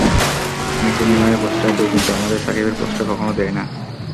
Messi, নেইমারের poster দেয়, কিন্তু আমাদের সাকিবের পোস্টার কখনো দেয় না।